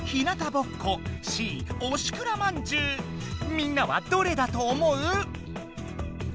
みんなはどれだと思う？